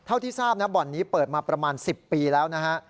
เท่าที่ทราบนะบ่อนนี้เปิดมาประมาณ๑๐ปีแล้วนะฮะ